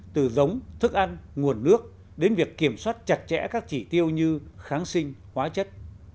từ giống thức ăn nguồn nước đến việc kiểm soát chặt chẽ các chỉ tiêu như kháng sinh hóa chất